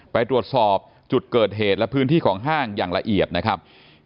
ไปตรวจสอบจุดเกิดเหตุและพื้นที่ของห้างอย่างละเอียดนะครับ